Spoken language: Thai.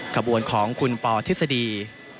ขบวนของคุณปอทฤษฎี